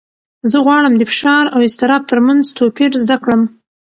زه غواړم د فشار او اضطراب تر منځ توپیر زده کړم.